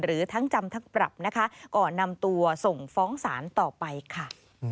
หรือทั้งจำทั้งปรับนะคะก่อนนำตัวส่งฟ้องศาลต่อไปค่ะ